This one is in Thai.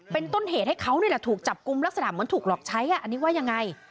เป็นต้นเหตุให้เขานี่แหละถูกจับกลุ่มลักษณะเหมือนถูกหลอกใช้อันนี้ว่ายังไง